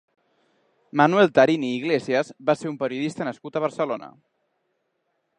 Manuel Tarín i Iglesias va ser un periodista nascut a Barcelona.